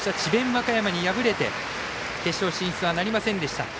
和歌山に敗れて決勝進出はなりませんでした。